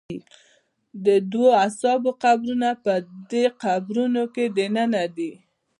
د دوو اصحابو قبرونه په دې قبرونو کې دننه دي.